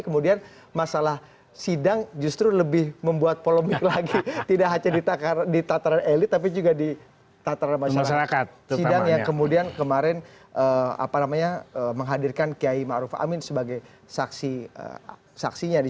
kemudian kemarin menghadirkan kiai ma'ruf amin sebagai saksinya